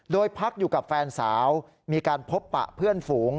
โดยพักอยู่กับแฟนสาวมีการพบปะเพื่อนฝูง